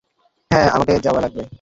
হ্যাঁ, আমাকে যাওয়া লাগবে।